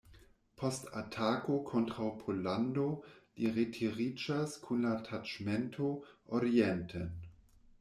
Post atako kontraŭ Pollando li retiriĝas kun la taĉmento orienten.